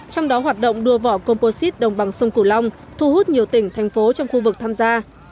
trong đó hoạt động đua vỏ composite đồng bằng sông cửu long thu hút nhiều tỉnh thành phố trong khu vực tham gia